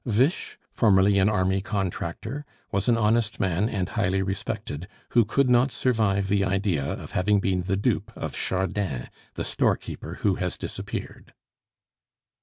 "Wisch, formerly an army contractor, was an honest man and highly respected, who could not survive the idea of having been the dupe of Chardin, the storekeeper who has disappeared."